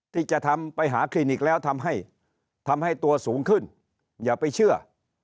ที่จะทำไปหาคลินิกแล้วทำให้ทำให้ตัวสูงขึ้นอย่าไปเชื่อ